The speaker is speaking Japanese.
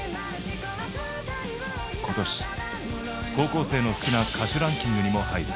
今年高校生の好きな歌手ランキングにも入り